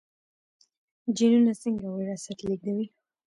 جینونه څنګه وراثت لیږدوي؟